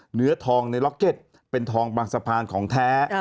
เหนือทองในล็อกเก็ตเป็นทองบางสะพานของแท้